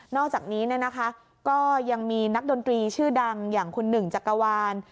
อกจากนี้ก็ยังมีนักดนตรีชื่อดังอย่างคุณหนึ่งจักรวาล